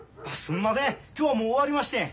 今日はもう終わりましてん。